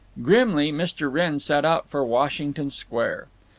Grimly, Mr. Wrenn set out for Washington Square.